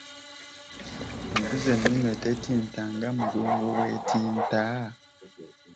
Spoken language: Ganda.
Embuzi ennume tetinta nga mugongo Bw’entinta?